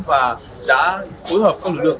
và đã phối hợp các lực lượng